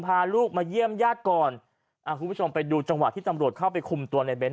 พาลูกมาเยี่ยมญาติก่อนอ่าคุณผู้ชมไปดูจังหวะที่ตำรวจเข้าไปคุมตัวในเน้น